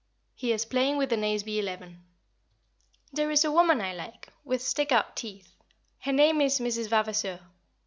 He is playing in the Nazeby Eleven. There is a woman I like, with stick out teeth; her name is Mrs. Vavaseur.